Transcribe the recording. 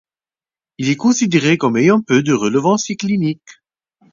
Il est considéré comme ayant peu de relevance clinique.